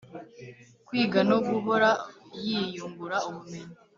kwiga no guhora yiyungura ubumenyi: